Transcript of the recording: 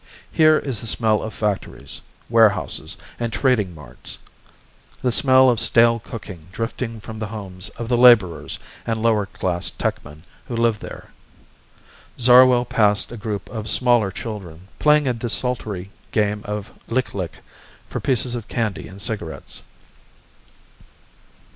Here is the smell of factories, warehouses, and trading marts; the smell of stale cooking drifting from the homes of the laborers and lower class techmen who live there. Zarwell passed a group of smaller children playing a desultory game of lic lic for pieces of candy and cigarettes.